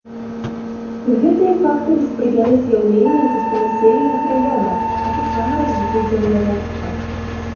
Гэтыя фактары спрыялі з'яўленню густанаселеных раёнаў, а таксама развіццю земляробства.